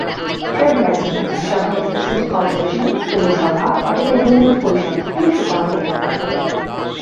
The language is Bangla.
ট্রেড লাইসেন্স সাধারনত সিটি কর্পোরেশন, পৌরসভা অথবা ইউনিয়ন পরিষদ থেকে ইস্যু করা হয়ে থাকে।